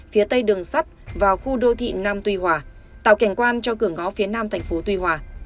phía tây đường sắt và khu đô thị nam tuy hòa tạo cảnh quan cho cửa ngõ phía nam thành phố tuy hòa